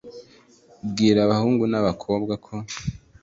bwira abahungu na bakobwa ko